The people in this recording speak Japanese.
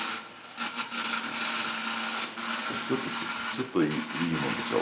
ちょっといいもんでしょ。